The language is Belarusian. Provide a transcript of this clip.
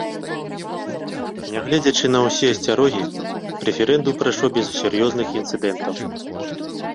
Нягледзячы на ўсе асцярогі, рэферэндум прайшоў без сур'ёзных інцыдэнтаў.